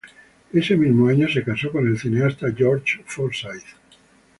Ese mismo año se casó con el cineasta George Forsyth.